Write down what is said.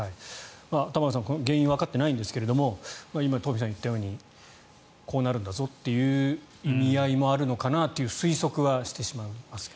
玉川さん原因はわかっていませんが今、東輝さんが言ったようにこうなるんだぞという意味合いもあるのかなという推測はしてしまいますが。